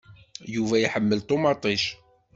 Yuba iḥemmel ṭumaṭic?